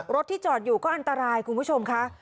รถที่จอดอยู่ก็อันตรายคุณผู้ชมค่ะ